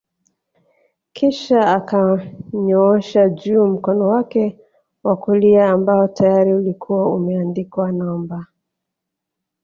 Kisha akanyoosha juu mkono wake wa kulia ambao tayari ulikuwa umeandikwa namba